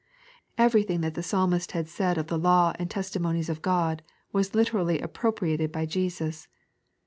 Everything that the Fsalmiat had said of the law and testimonies of Qod was literally appropriated by Jesus.